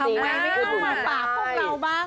ทำไมไม่ติดไว้สมัยฝากพวกเราบ้าง